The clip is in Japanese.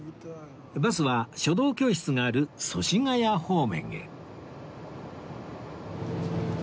バスは書道教室がある祖師谷方面へ